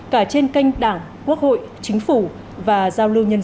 cả trên kênh đảng